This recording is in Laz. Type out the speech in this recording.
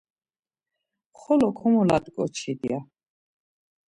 Xolo komolat̆ǩoçit ya.